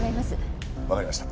わかりました。